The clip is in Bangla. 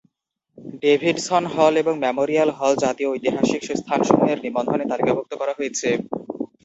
ডেভিডসন হল এবং মেমোরিয়াল হল জাতীয় ঐতিহাসিক স্থানসমূহের নিবন্ধনে তালিকাভুক্ত করা হয়েছে।